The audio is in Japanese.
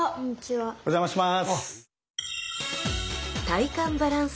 お邪魔します。